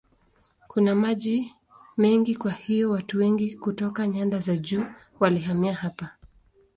Kuna maji mengi kwa hiyo watu wengi kutoka nyanda za juu walihamia hapa.